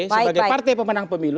sebagai partai pemenang pemilu